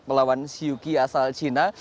melawan shiuki asal china